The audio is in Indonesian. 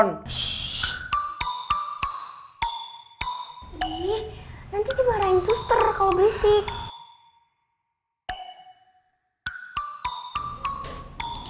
nanti coba arahin suster kalo berisik